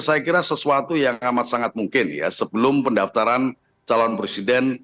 saya kira sesuatu yang amat sangat mungkin ya sebelum pendaftaran calon presiden